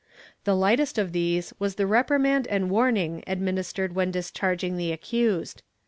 The lightest of these was the reprimand and warning administered when discharging the accused.